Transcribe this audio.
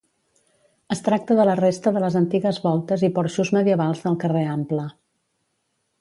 Es tracta de la resta de les antigues voltes i porxos medievals del carrer Ample.